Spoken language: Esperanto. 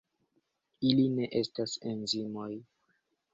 Ili ne estas enzimoj.